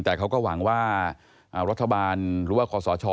แต่เขาก็หวังว่ารัฐบาลหรือว่าคอสช